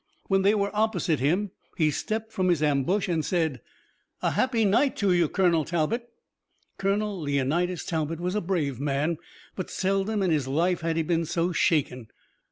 When they were opposite him he stepped from his ambush and said: "A happy night to you, Colonel Talbot." Colonel Leonidas Talbot was a brave man, but seldom in his life had he been so shaken.